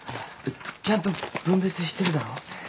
えっちゃんと分別してるだろ。